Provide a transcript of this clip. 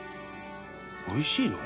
「おいしいの？」